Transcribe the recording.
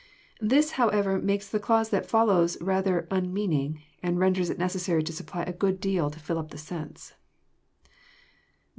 This, however, makes the clause that fol lows rather unmeaning, and renders it necessary to supply a good deal to fill up the sense.